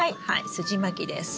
すじまきです。